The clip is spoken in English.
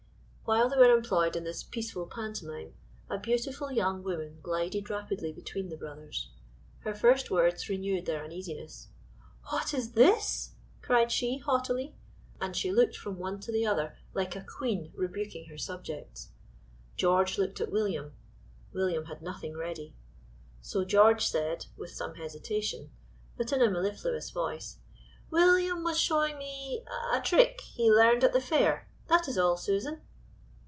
While they were employed in this peaceful pantomime a beautiful young woman glided rapidly between the brothers. Her first words renewed their uneasiness. "What is this?" cried she, haughtily, and she looked from one to the other like a queen rebuking her subjects. George looked at William William had nothing ready. So George said, with some hesitation, but in a mellifluous voice, "William was showing me a trick he learned at the fair that is all, Susan."